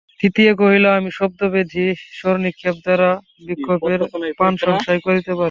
দ্বিতীয় কহিল আমি শব্দবেধী শর নিক্ষেপ দ্বারা বিপক্ষের প্রাণসংহার করিতে পারি।